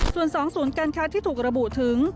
ส่วน๒ศูนย์การค้าที่ถูกระบุถึง